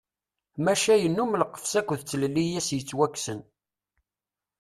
Maca yennum lqefs akked tlelli i as-yettwakksen.